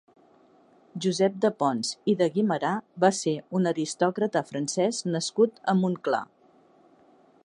Josep de Pons i de Guimerá va ser un aristòcrata francès nascut a Montclar.